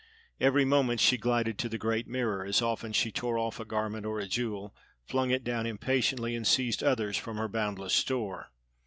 Every moment she glided to the great mirror; as often she tore off a garment or a jewel, flung it down impatiently, and seized others from her boundless store.